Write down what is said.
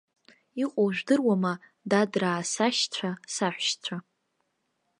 Иҟоу жәдыруама, дадраа сашьцәа, саҳәшьцәа.